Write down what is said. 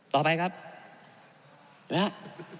ต่อไปครับนะฮะ